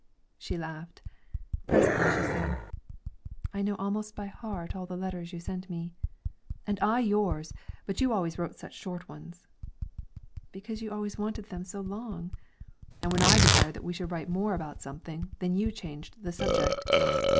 She laughed. Presently she said, "I know almost by heart all the letters you sent me." "And I yours! But you always wrote such short ones." "Because you always wanted them to be so long." "And when I desired that we should write more about something, then you changed the subject."